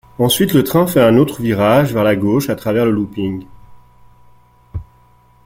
Ensuite, le train fait un autre virage vers la gauche à travers le looping.